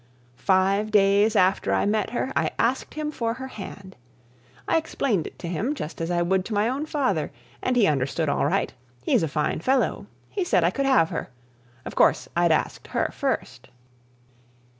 "Five days after I met her, I asked him for her hand. I explained it to him just as I would to my own father, and he understood all right. He's a fine fellow. He said I could have her. Of course I'd asked her first.